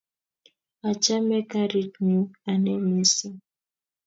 Achame karit nyu ane missing'